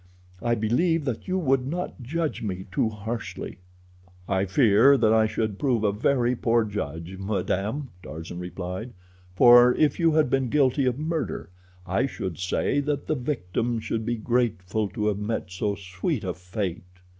I believe that you would not judge me too harshly." "I fear that I should prove a very poor judge, madame," Tarzan replied, "for if you had been guilty of murder I should say that the victim should be grateful to have met so sweet a fate."